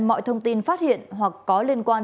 mọi thông tin phát hiện hoặc có liên quan